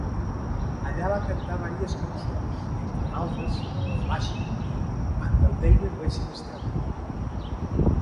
Allà va cantar vàries cançons, entre d'altres, "Frühling" i "Unter deinen weissen Sternen".